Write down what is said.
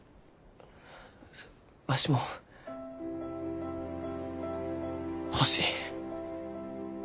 わしも欲しい。